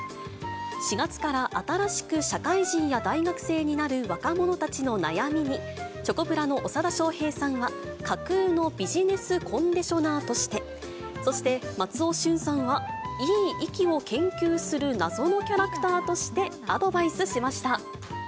４月から新しく社会人や大学生になる若者たちの悩みに、チョコプラの長田庄平さんは、架空のビジネスコンディショナーとして、そして、松尾駿さんは、いい息を研究する謎のキャラクターとしてアドバイスしました。